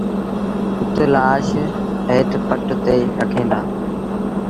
اُت لآش هيٺ پٽ تي رکين دآ